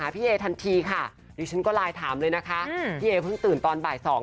พี่เอหนึ่งเพิ่งตื่นตอนบ่าย๒